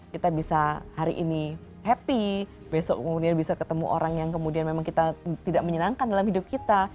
kita bisa hari ini happy besok kemudian bisa ketemu orang yang kemudian memang kita tidak menyenangkan dalam hidup kita